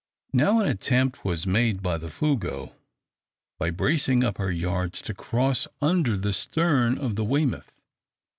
Now an attempt was made by the "Fougueux," by bracing up her yards, to cross under the stern of the "Weymouth."